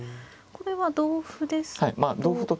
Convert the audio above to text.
これは同歩ですと。